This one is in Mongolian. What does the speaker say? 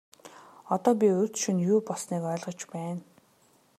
Одоо би урьд шөнө юу болсныг ойлгож байна.